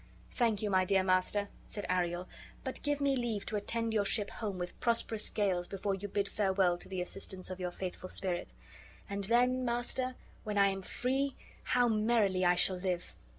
"Thank you, my dear master," said Ariel; "but give me leave to attend your ship home with prosperous gales, before you bid farewell to the assistance of your faithful spirit; and then, master, when I am free, how merrily I shall live!"